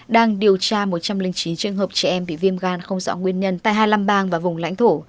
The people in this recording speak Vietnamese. đang điều tra một trăm linh chín trường hợp trẻ em bị viêm gan không rõ nguyên nhân tại hai mươi năm bang và vùng lãnh thổ